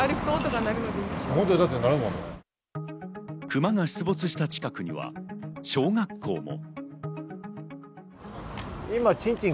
クマが出没した近くには小学校も。